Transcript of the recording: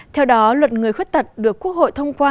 theo đó luật người khuyết tật được quốc hội thông qua